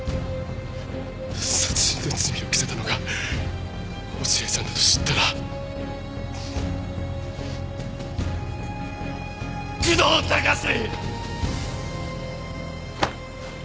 殺人の罪を着せたのが落合さんだと知ったら工藤貴志！